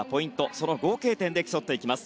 その合計点で競っていきます。